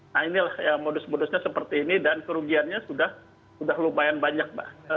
nah inilah modus modusnya seperti ini dan kerugiannya sudah lumayan banyak mbak